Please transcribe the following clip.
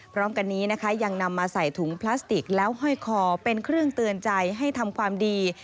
พร้อมกันนี้นะคะยังนำมาใส่ถุงพลาสติกแล้วห้อยคอเป็นเครื่องเตือนใจให้ทำความดี